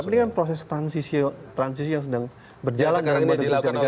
tapi ini kan proses transisi yang sedang berjalan di dalam badan intelijen negara